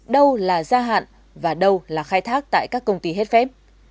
đâu là gia hạn và đâu là khai thác tại các công ty hết phép